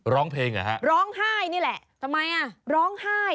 ร้องเพลงเหรอฮะร้องไห้นี่แหละทำไมอ่ะร้องไห้